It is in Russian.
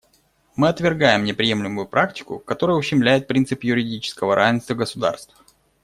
Мы отвергаем неприемлемую практику, которая ущемляет принцип юридического равенства государств.